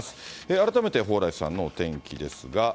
改めて蓬莱さんのお天気ですが。